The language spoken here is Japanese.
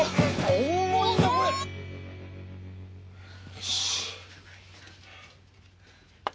よし。